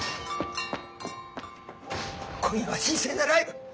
今夜は神聖なライブ。